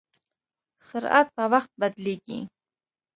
سرعت په وخت بدلېږي.